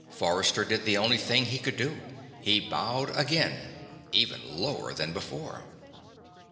Forrester did the only thing he could do. He bowed again, even lower than before.